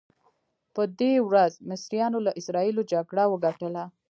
په دې ورځ مصریانو له اسراییلو جګړه وګټله.